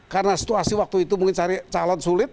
karena situasi waktu itu mungkin cari calon sulit